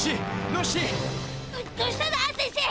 よし！